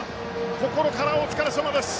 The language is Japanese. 心からお疲れさまです。